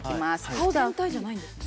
顔全体じゃないんですね。